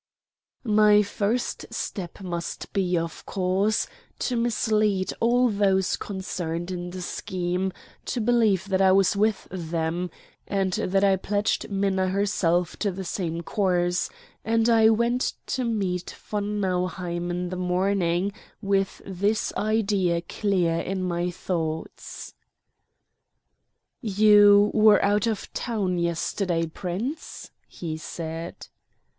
My first step must be, of course, to mislead all those concerned in the scheme to believe that I was with them, and that I pledged Minna herself to the same course; and I went to meet von Nauheim in the morning with this idea clear in my thoughts. "You were out of town yesterday, Prince?" he said.